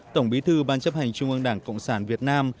tổng bí thư ban chấp hành trung ương đảng cộng sản việt nam